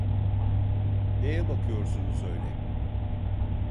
Neye bakıyorsunuz öyle?